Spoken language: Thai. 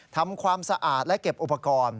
ทำความสะอาดและเก็บอุปกรณ์